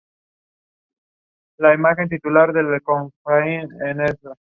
De repente, Josh entra en cólera y estrangula a Elise hasta matarla.